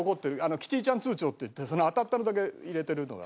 キティちゃん通帳っていって当たったのだけ入れてるのが。